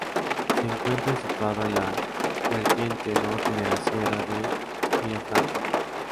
Se encuentra situado en la vertiente norte de la sierra de Villafranca.